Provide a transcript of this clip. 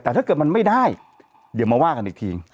แต่ถ้าเกิดมันไม่ได้เดี๋ยวมาว่ากันอีกที